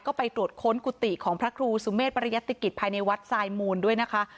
ก็ไปตรวจค้นกุฏิของพระครูสุเมฆปริยติกิจภายในวัดสายมูลด้วยนะคะ